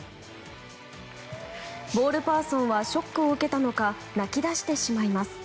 ボールパーソンはショックを受けたのか泣き出してしまいます。